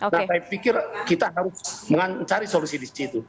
nah saya pikir kita harus mencari solusi di situ